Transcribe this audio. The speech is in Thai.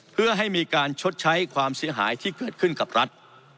เพื่อให้มีการชดใช้ความเสียหายที่เกิดขึ้นกับรัฐ